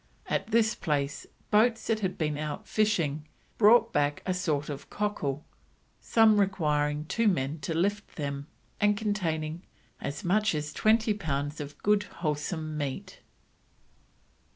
At this place, boats that had been out fishing brought back a sort of cockle, some requiring two men to lift them, and containing "as much as twenty pounds of good wholesome meat."